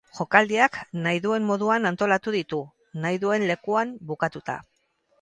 Jokaldiak nahi duen moduan antolatu ditu, nahi duen lekuan bukatuta.